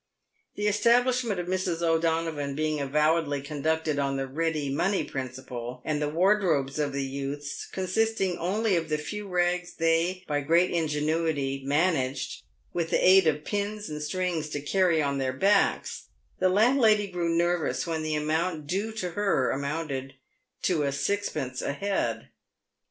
The establishment of Mrs. O'Donovan being avowedly conducted on the ready money principle, and the wardrobes of the youths, consisting only of the few rags they, by great ingenuity, managed, with the aid of pins and strings, to carry on their backs, the landlady grew nervous when the amount due to her amounted to sixpence a head.